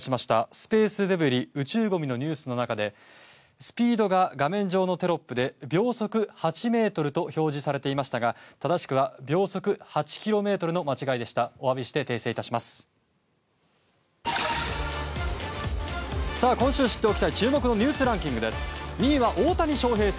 スペースデブリ、宇宙ごみのニュースの中でスピードが画面上のテロップで秒速８メートルと表示されていましたが正しくは秒速８キロの間違いでした。